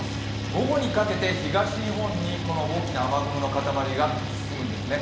午後にかけて東日本に大きな雨雲の塊が進むんですね。